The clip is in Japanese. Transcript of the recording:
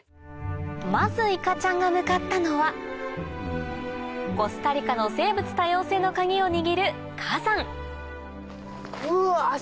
まずいかちゃんが向かったのはコスタリカの生物多様性の鍵を握る火山うわ！